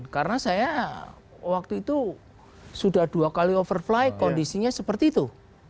karena saya waktu itu sudah dua kali overfly kondisinya seperti itu